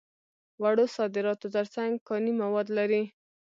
وړو صادراتو تر څنګ کاني مواد لري.